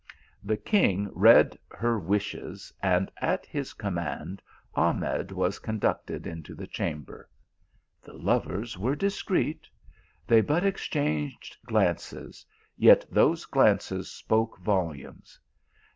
The king read her wishes, and at 220 THE ALHAMBKA. his command Ahmed was conducted into the cham ber. The lovers were discreet : they but exchanged glances, yet those glances spoke volumes.